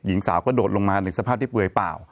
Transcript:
หญิงสาวกระโดดลงมาในสภาพที่เปลือยเปล่า